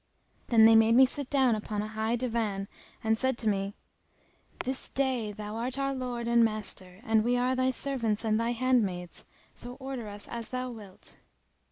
Then they made me sit down upon a high divan and said to me, "This day thou art our lord and master, and we are thy servants and thy hand maids, so order us as thou wilt."